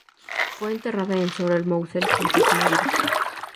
Fue enterrada en Sorel-Moussel, junto a su marido.